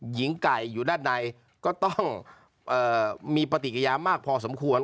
หญิงไก่อยู่ด้านในก็ต้องมีปฏิกิยามากพอสมควร